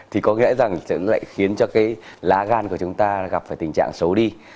thì có nghĩa là sẽ lại khiến cho cái lá gan của chúng ta gặp tình trạng xấu đi